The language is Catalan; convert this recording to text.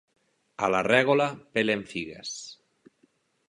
A la Règola pelen figues.